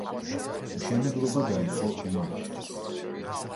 მშენებლობა დაიწყო იმავე წელს.